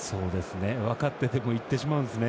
分かっててもいってしまうんですね。